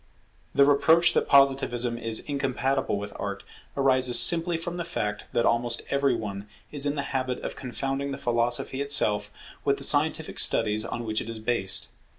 The reproach that Positivism is incompatible with Art arises simply from the fact that almost every one is in the habit of confounding the philosophy itself with the scientific studies on which it is based.